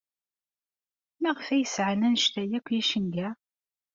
Maɣef ay sɛan anect-a akk n yicenga?